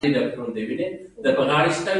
هغوی د سړک پر غاړه د محبوب یادونه ننداره وکړه.